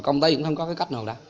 đồng tây cũng không có cái cách nào đâu